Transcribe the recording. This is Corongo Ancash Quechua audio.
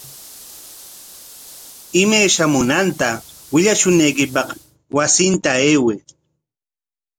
Imay shamunanta willashunaykipaq wasinta ayway.